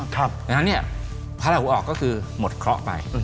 ดังนั้นเนี่ยพระราหูออกก็คือหมดเคราะห์ไป